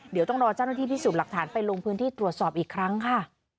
เดี๋ยวต้องรอเจ้าหน้าที่พิสูจน์หลักฐานไปลงพื้นที่ตรวจสอบอีกครั้งค่ะ